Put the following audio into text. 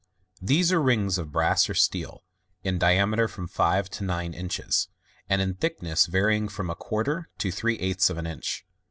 — These are rings of brass or steel, in dia meter from five to nine inches, and m thickness var>ing from a quarter to three eighths of an inch.